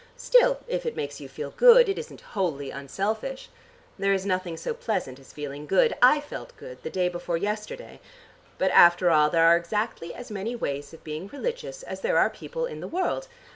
Still if it makes you feel good, it isn't wholly unselfish. There is nothing so pleasant as feeling good. I felt good the day before yesterday. But after all there are exactly as many ways of being religious as there are people in the world.